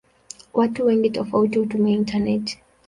Watu wengi tofauti hutumia intaneti.